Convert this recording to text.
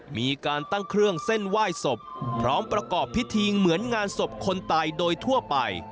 มีการตั้งเครื่องเส้นไหว้ศพพร้อมประกอบพิธีเหมือนงานศพคนตายโดยทั่วไป